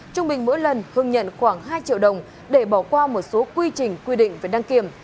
trung bình mỗi lần hưng nhận khoảng hai triệu đồng để bỏ qua một số quy trình quy định về đăng kiểm